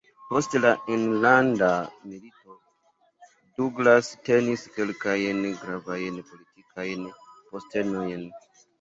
Post la Enlanda Milito, Douglass tenis kelkajn gravajn politikajn postenojn.